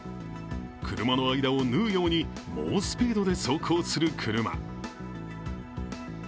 車の間を縫うように猛スピードで走行する車。